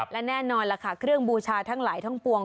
และแน่นอนล่ะค่ะเครื่องบูชาทั้งหลายทั้งปวง